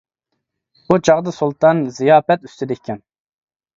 بۇ چاغدا سۇلتان زىياپەت ئۈستىدە ئىكەن.